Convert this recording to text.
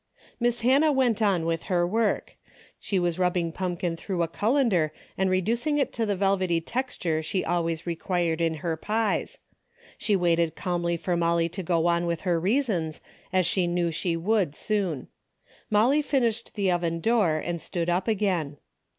Miss Hannah went on with her work. She was rubbing pumpkin through a colander and reducing it to the velvety texture she alwa^^s required in her pies. She waited calmly for Molly to go on with her reasons, as she knew she would soon. Molly finished the oven door and stood up again.